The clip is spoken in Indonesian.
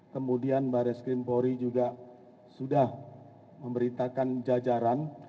kemudian barres krim pori juga sudah memberitakan jajaran